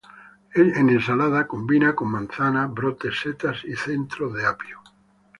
En ensalada, combina con manzana, brotes, setas y centros de apio.